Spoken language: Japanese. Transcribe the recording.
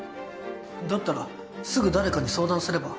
だったらすぐ誰かに相談すれば。